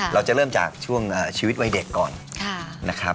เราจะเริ่มจากช่วงชีวิตวัยเด็กก่อนนะครับ